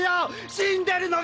死んでるのが！